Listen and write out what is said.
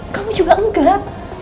kamu juga enggak